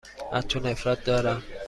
از تو نفرت دارم.